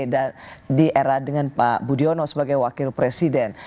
di era dengan pak budiono sebagai wakil presiden